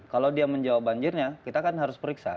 kalau dia menjawab banjirnya kita kan harus periksa